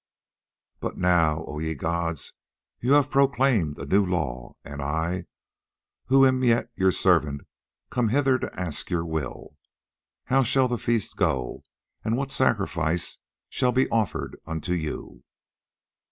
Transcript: But now, O ye gods, ye have proclaimed a new law, and I, who am yet your servant, come hither to ask your will. How shall the feast go, and what sacrifice shall be offered unto you?"